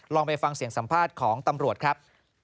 ไปฟังเสียงสัมภาษณ์ของตำรวจครับ